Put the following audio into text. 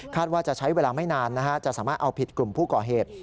ว่าจะใช้เวลาไม่นานจะสามารถเอาผิดกลุ่มผู้ก่อเหตุ